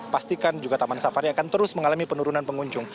pastikan juga taman safari akan terus mengalami penurunan pengunjung